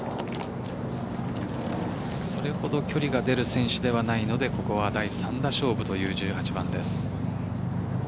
それほど距離が出る選手ではないのでここは第３打勝負という１８番です。